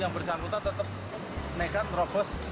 yang beranggota tetap nekat robos